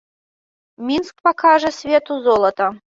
Мінск пакажа свету золата.